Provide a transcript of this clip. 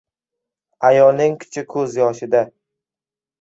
• Ayolning kuchi ko‘z yoshida.